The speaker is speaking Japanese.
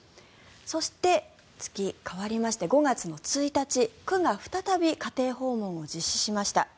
そして、月が替わりまして５月１日区が再び家庭訪問を実施しました。